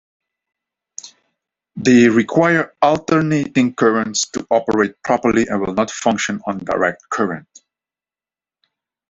They require alternating currents to operate properly and will not function on direct current.